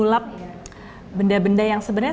smant pytadi memang tidak sembarangan